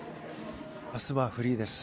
明日はフリーです。